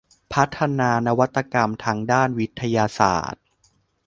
พัฒนานวัตกรรมทางด้านวิทยาศาสตร์